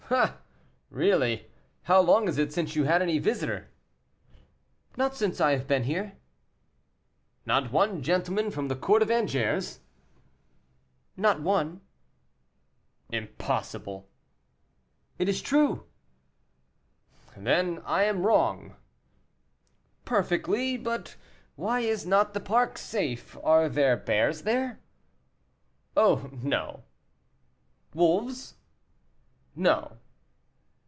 "Ah! really. How long is it since you had any visitor?" "Not since I have been here." "Not one gentleman from the court at Angers?" "Not one." "Impossible." "It is true." "Then I am wrong." "Perfectly; but why is not the park safe, are there bears here?" "Oh, no." "Wolves?" "No."